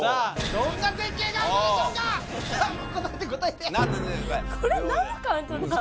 どんな絶景があるのでしょうかさあ答えて答えて何のこれ何のカウントダウン？